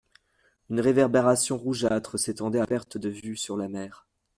Une réverbération rougeâtre s'étendait à perte de vue sur la mer.